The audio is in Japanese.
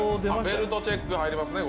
ベルトチェック入りますね